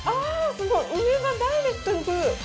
すごい、梅がダイレクトに来る！